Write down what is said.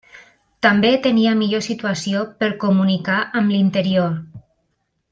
També tenia millor situació per comunicar amb l'interior.